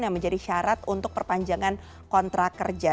yang menjadi syarat untuk perpanjangan kontrak kerja